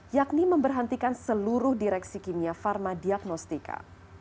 yakni memberhentikan seluruh direksi kimia pharma diagnostika